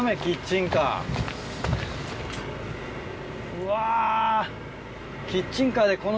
うわ。